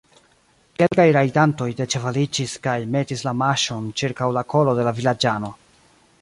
Kelkaj rajdantoj deĉevaliĝis kaj metis la maŝon ĉirkaŭ la kolo de la vilaĝano.